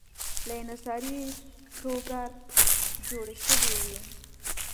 له انحصاري ټوکر جوړې شوې وې.